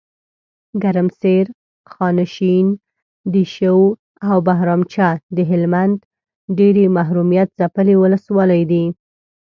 ګرمسیر، خانشین، دیشو اوبهرامچه دهلمند ډیري محرومیت ځپلي ولسوالۍ دي .